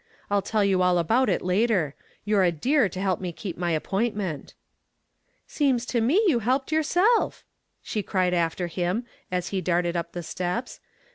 I'll tell you all about it later. You're a dear to help me keep my appointment." "Seems to me you helped yourself," she cried after him as he darted up the steps.